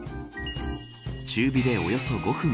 中火でおよそ５分。